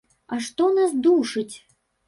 А што нас душыць?